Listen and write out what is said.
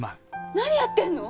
何やってんの！？